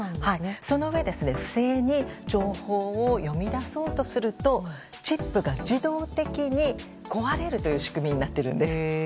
そのうえ、不正に情報を読み出そうとするとチップが自動的に壊れるという仕組みになっているんです。